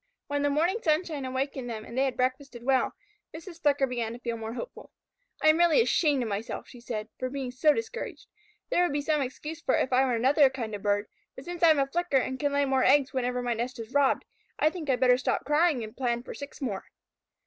When the morning sunshine awakened them and they had breakfasted well, Mrs. Flicker began to feel more hopeful. "I am really ashamed of myself," she said, "for being so discouraged. There would be some excuse for it if I were another kind of bird, but since I am a Flicker and can lay more eggs whenever my nest is robbed, I think I'd better stop crying and plan for six more."